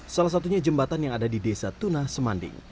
salah satunya jembatan yang ada di desa tuna semanding